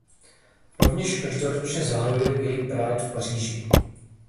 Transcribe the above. Rovněž každoročně zahajuje Gay Pride v Paříži.